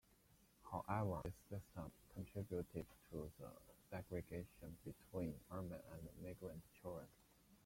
However, this system contributed to the segregation between urban and migrant children.